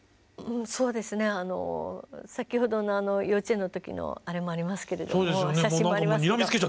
そうですね先ほどの幼稚園の時のあれもありますけれども写真もありますけど。